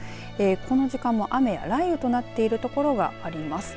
この時間も雨や雷雨となっている所があります。